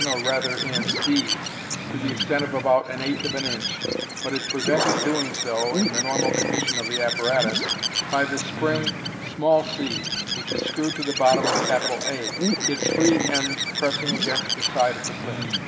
or rather in, B, to the Fig. 46. Fig. 47. Fig. 48. «3* MODERN MAGIC. extent of about an eighth of an inch, but is prevented doing so, in the normal condition of the apparatus, by the spring c, which is screwed to the bottom of A, its free end pressing against the side of the plinth.